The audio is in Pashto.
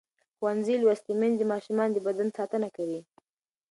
ښوونځې لوستې میندې د ماشومانو د بدن ساتنه کوي.